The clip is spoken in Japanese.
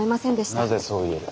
なぜそう言える。